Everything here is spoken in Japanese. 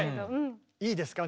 いいですか？